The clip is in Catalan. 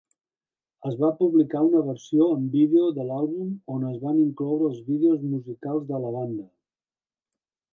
Es va publicar una versió en vídeo de l'àlbum on es van incloure els vídeos musicals de la banda.